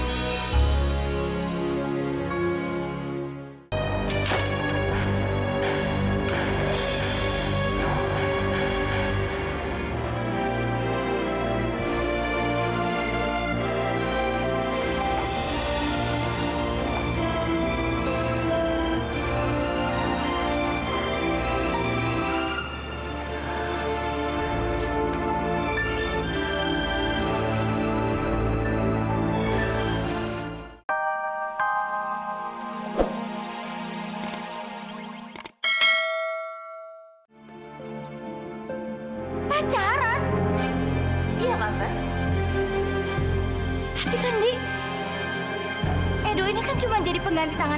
sampai jumpa di video selanjutnya